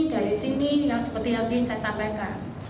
dari sini yang seperti yang tadi saya sampaikan